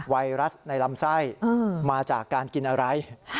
ไวรัสในลำไส้มาจากการกินอะไร